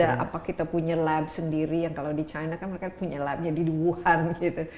atau kita punya lab sendiri yang kalau di china kan mereka punya labnya di wuhan gitu